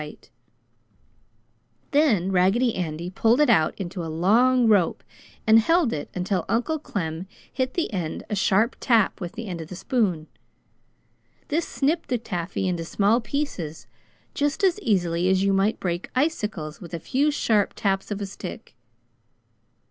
[Illustration: The taffy pull] Then Raggedy Andy pulled it out into a long rope and held it while Uncle Clem hit the ends a sharp tap with the edge of the spoon. This snipped the taffy into small pieces, just as easily as you might break icicles with a few sharp taps of a stick.